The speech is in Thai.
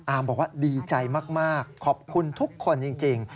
บอกว่าดีใจมากขอบคุณทุกคนจริง